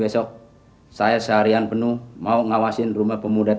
siapa yang mengasihinya